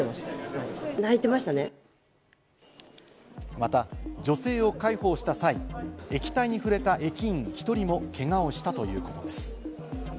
また女性を介抱した際、液体に触れた駅員１人もけがをしたということです。